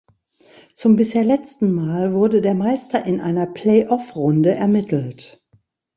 Zum bisher letzten Mal wurde der Meister in einer Play-off-Runde ermittelt.